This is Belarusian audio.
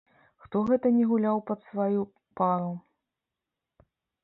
Хто гэта не гуляў пад сваю пару?